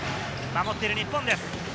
守っている日本です。